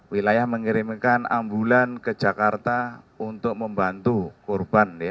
wilayah mengirimkan ambulan ke jakarta untuk membantu korban